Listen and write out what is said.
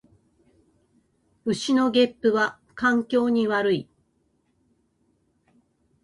牛のげっぷは環境に悪い